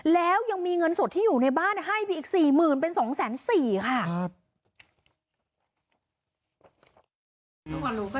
แล้วยังมีเงินสดที่อยู่ในบ้านให้อีกสี่หมื่นเป็นสองแสนสี่ค่ะ